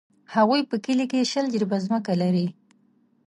هغوی په کلي کښې شل جریبه ځمکه لري.